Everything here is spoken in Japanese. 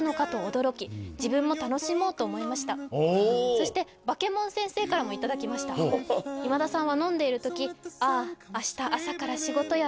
そしてバケモン先生からもいただきました今田さん